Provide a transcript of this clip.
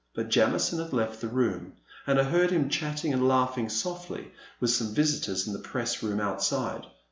But Jamison had left the room, and I heard him chat ting and laughing softly with some visitors in the press room outside.